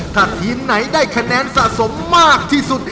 ถ้าทีมไหนได้คะแนนสะสมมากที่สุด